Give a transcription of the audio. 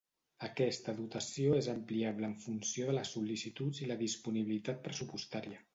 Aquesta dotació és ampliable en funció de les sol·licituds i la disponibilitat pressupostària.